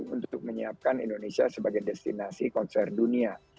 untuk menyiapkan indonesia sebagai destinasi konser dunia